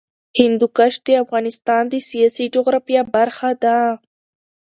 هندوکش د افغانستان د سیاسي جغرافیه برخه ده.